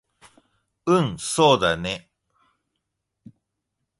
うんそうだね